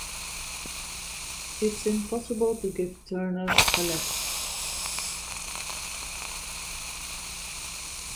It is impossible to give Turner's palettes.